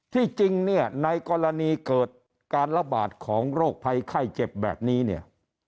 ที่จริงเนี่ยในกรณีเกิดการระบาดของโรคภัยไข้เจ็บแบบนี้เนี่ย